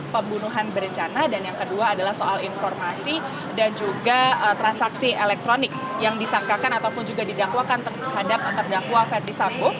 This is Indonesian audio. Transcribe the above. pembunuhan berencana dan yang kedua adalah soal informasi dan juga transaksi elektronik yang disangkakan ataupun juga didakwakan terhadap terdakwa ferdisambo